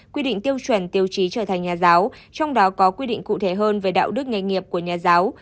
quy định tiêu chuẩn tiêu chí trở thành nhà giáo trong đó có quy định cụ thể hơn về đạo đức nghề nghiệp của nhà giáo